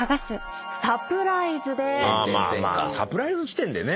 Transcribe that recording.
サプライズ時点でね